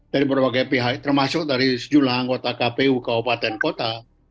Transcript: dari berbagai pihak termasuk dari sejumlah anggota kpu kabupaten kota